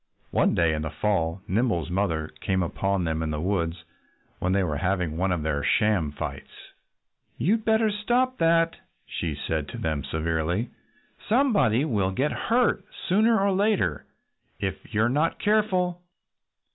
One day in the fall Nimble's mother came upon them in the woods when they were having one of their sham fights. "You'd better stop that!" she said to them severely. "Somebody will get hurt sooner or later if you're not careful."